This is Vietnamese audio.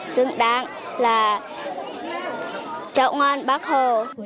xứng đáng là trọng ngon bác hồ